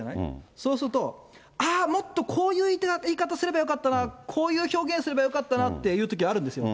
そうすると、ああ、もっとこういう言い方すればよかったな、こういう表現すればよかったなというときあるんですよ。